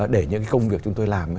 để những công việc chúng tôi làm